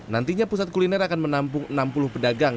nantinya pusat kuliner akan menampung enam puluh pedagang